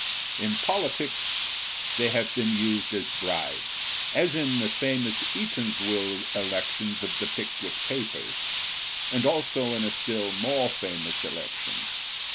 In politics they have been used as bribes, as in the famous Eatanswill elections of the "Pickwick Papers," and also in a still more famous election.